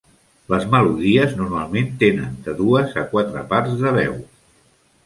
Les melodies normalment tenen de dues a quatre parts de veu.